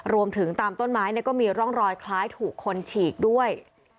รวมถึงตามต้นไม้ก็มีร่องรอยคล้ายถูกคนฉีกด้วย